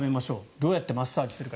どうやってマッサージするか。